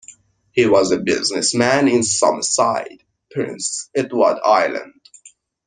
He was a businessman in Summerside, Prince Edward Island.